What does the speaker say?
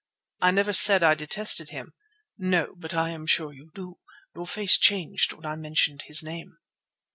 "I never said I detested him." "No, but I am sure you do. Your face changed when I mentioned his name."